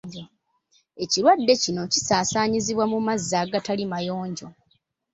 Ekirwadde kino kisaasaanyizibwa mu mazzi agatali mayonjo.